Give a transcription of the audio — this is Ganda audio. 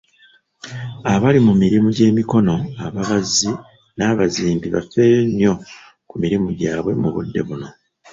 Abali mu mirimu gy'emikono, ababazzi, n'abazimbi, bafeeyo nnyo ku mirimu gyabwe mu budde buno.